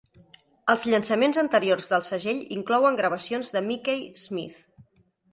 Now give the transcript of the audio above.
Els llançaments anteriors del segell inclouen gravacions de Mikey Smith.